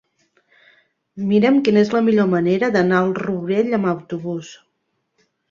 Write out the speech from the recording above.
Mira'm quina és la millor manera d'anar al Rourell amb autobús.